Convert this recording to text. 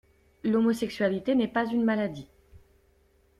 L'homosexualité n'est pas une maladie!